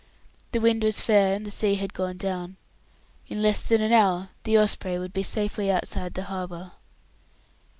The wind was fair, and the sea had gone down. In less than an hour the Osprey would be safely outside the harbour.